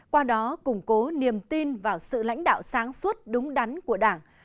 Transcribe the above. qua đó củng cố niềm tin vào sự lãnh đạo sáng suốt đúng đắn của đảng